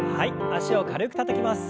脚を軽くたたきます。